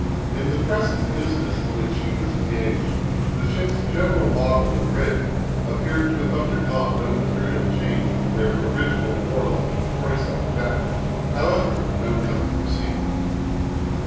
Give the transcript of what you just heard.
In the present business in which she was engaged, the ship's general model and rig appeared to have undergone no material change from their original warlike and Froissart pattern. However, no guns were seen.